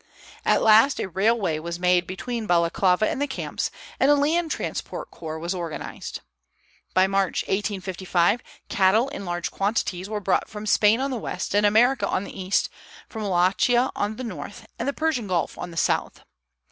At last a railway was made between Balaklava and the camps, and a land transport corps was organized. By March, 1855, cattle in large quantities were brought from Spain on the west and Armenia on the east, from Wallachia on the north and the Persian Gulf on the south.